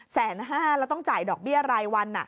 แสนห้าแล้วต้องจ่ายดอกเบี้ยรายวัน